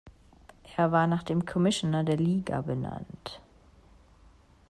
Er war nach dem Commissioner der Liga benannt.